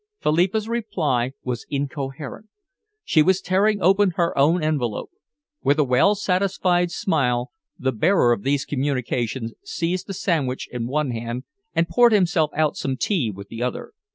Philippa's reply was incoherent. She was tearing open her own envelope. With a well satisfied smile, the bearer of these communications seized a sandwich in one hand and poured himself out some tea with the other.